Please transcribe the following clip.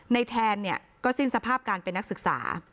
แทนเนี่ยก็สิ้นสภาพการเป็นนักศึกษา